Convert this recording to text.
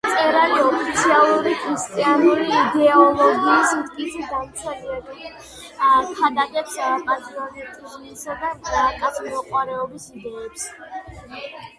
მწერალი ოფიციალური ქრისტიანული იდეოლოგიის მტკიცედ დამცველია, ქადაგებს პატრიოტიზმისა და კაცთმოყვარეობის იდეებს.